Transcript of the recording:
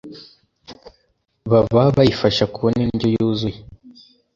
baba bayifasha kubona indyo yuzuye